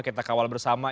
kita kawal bersama